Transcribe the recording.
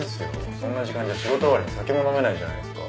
そんな時間じゃ仕事終わりに酒も飲めないじゃないですか。